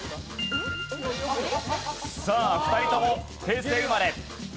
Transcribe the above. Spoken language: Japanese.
さあ２人とも平成生まれ。